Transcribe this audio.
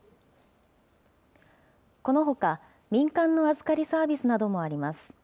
このほか、民間の預かりサービスなどもあります。